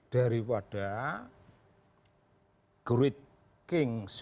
daripada great kings